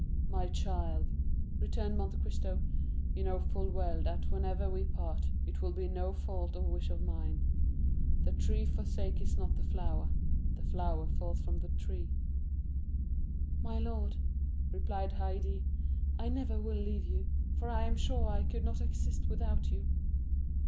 "My child," returned Monte Cristo "you know full well that whenever we part, it will be no fault or wish of mine; the tree forsakes not the flower—the flower falls from the tree." "My lord," replied Haydée, "I never will leave you, for I am sure I could not exist without you."